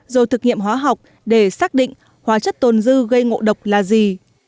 rồi thực nghiệm hóa học để xác định hóa chất tồn dư gây ngộ độc là gì